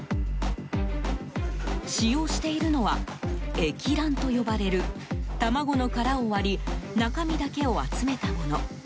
使用しているのは液卵と呼ばれる卵の殻を割り中身だけを集めたもの。